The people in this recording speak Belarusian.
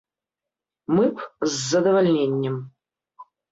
Мы б з задавальненнем.